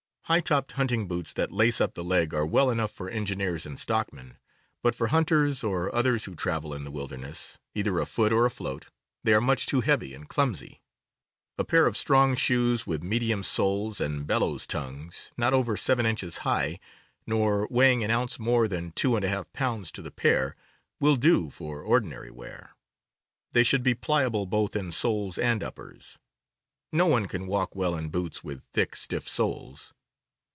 High topped hunting boots that lace up the leg are well enough for engineers and stockmen, but for hunt ers or others who travel in the wilderness, either afoot or afloat, they are much too heavy and clumsy. A pair of strong shoes with medium soles and bellows tongues, not over seven inches high, nor weighing an ounce more than two and a half pounds to the pair, will do for ordinary wear. They should be pliable both in soles and uppers. No one can walk well in boots with thick, stiff soles.